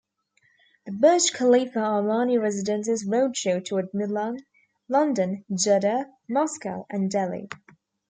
The "Burj Khalifa Armani Residences Road Show" toured Milan, London, Jeddah, Moscow and Delhi.